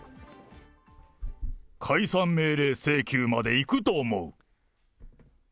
解散命令請求までいくと思う。